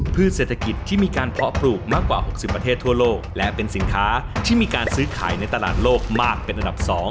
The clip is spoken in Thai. เศรษฐกิจที่มีการเพาะปลูกมากกว่า๖๐ประเทศทั่วโลกและเป็นสินค้าที่มีการซื้อขายในตลาดโลกมากเป็นอันดับ๒